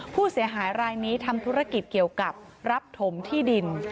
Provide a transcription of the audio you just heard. ผู้เสียหายรายนี้ทำธุรกิจเกี่ยวกับรับถมที่ดิน